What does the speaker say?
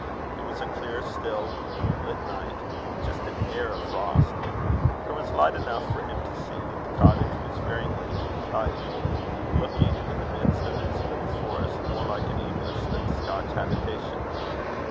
It was a clear, still, moonlit night, with just an air of frost. There was light enough for him to see that the cottage was very neat and tidy, looking, in the midst of its little forest, more like an English than a Scotch habitation.